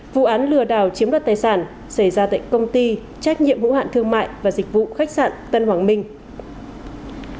vụ án lừa đảo chiếm đoạt tài sản xảy ra tại công ty trách nhiệm hữu hạn thương mại và dịch vụ khách sạn tân hoàng minh